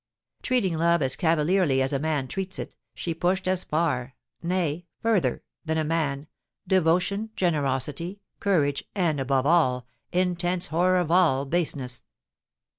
Treating love as cavalierly as a man treats it, she pushed as far, nay, further, than a man, devotion, generosity, courage, and, above all, intense horror of all baseness.